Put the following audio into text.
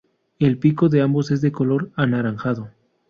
El pico de ambos es de color anaranjado.